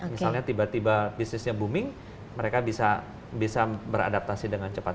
misalnya tiba tiba bisnisnya booming mereka bisa beradaptasi dengan cepat